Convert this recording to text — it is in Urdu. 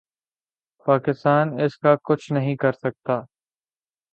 پاکستان اس کا کچھ نہیں کر سکتا۔